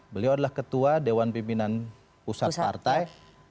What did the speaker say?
beliau adalah ketua dewan pimpinan pusat partai